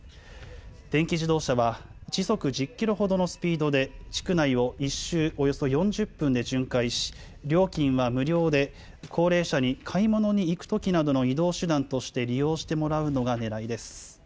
電気自動車は、時速１０キロほどのスピードで、地区内を１周およそ４０分で巡回し、料金は無料で、高齢者に買い物に行くときなどの移動手段として利用してもらうのがねらいです。